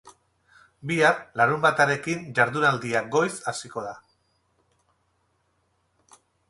Bihar, larunbatarekin, jardunaldia goiz hasiko da.